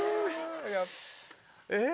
え？